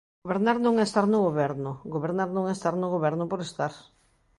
Gobernar non é estar no Goberno, gobernar non é estar no Goberno por estar.